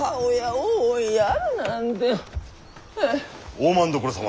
大政所様